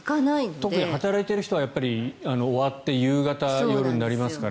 特に働いている人は終わって夕方、夜になりますから。